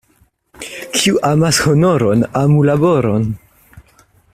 Kiu amas honoron, amu laboron.